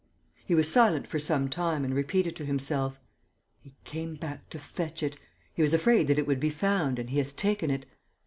He was silent for some time and repeated to himself: "He came back to fetch it.... He was afraid that it would be found and he has taken it....